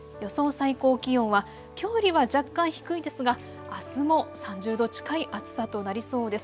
最高気温はきょうよりは若干低いですがあすも３０度近い暑さとなりそうです。